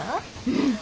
うん。